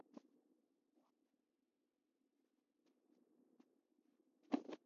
اوښ د افغانانو د معیشت یوه بنسټیزه سرچینه ده.